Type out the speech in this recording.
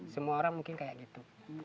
semua orang mungkin kayak gitu